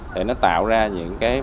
để nó tạo ra những kế hoạch